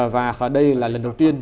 và đây là lần đầu tiên